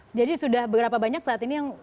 oke jadi sudah berapa banyak saat ini yang